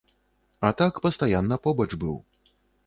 А так пастаянна побач быў.